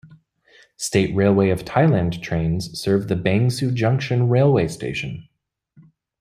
State Railway of Thailand trains serve the Bang Sue Junction Railway Station.